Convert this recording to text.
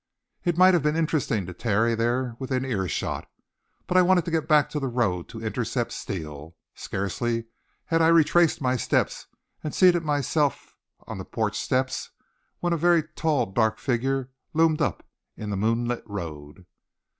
It might have been interesting to tarry there within ear shot, but I wanted to get back to the road to intercept Steele. Scarcely had I retraced my steps and seated myself on the porch steps when a very tall dark figure loomed up in the moonlit road.